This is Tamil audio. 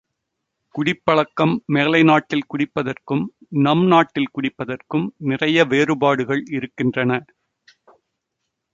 குடிப் பழக்கம் மேலை நாட்டில் குடிப்பதற்கும் நம் நாட்டில் குடிப்பதற்கும் நிறைய வேறுபாடுகள் இருக்கின்றன.